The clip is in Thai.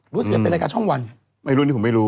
รู้สึกจะเป็นรายการช่องวันไม่รู้นี่ผมไม่รู้